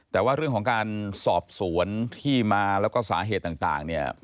แต่ว่าเรื่องของการสอบสวนที่มาแล้วก็สาเหตุต่างเนี่ย